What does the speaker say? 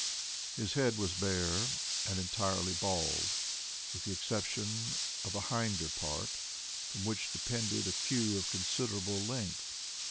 His head was bare, and entirely bald, with the exception of a hinder part, from which depended a queue of considerable length.